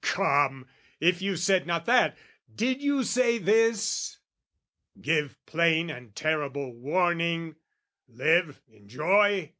Come, if you said not that, did you say this? Give plain and terrible warning, "Live, enjoy?